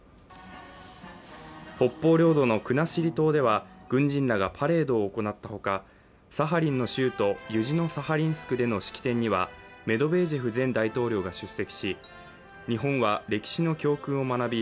北方領土の国後島では軍人らがパレードを行ったほかサハリンの州都ユジノサハリンスクでの式典にはメドベージェフ前大統領が出席し日本は歴史の教訓を学び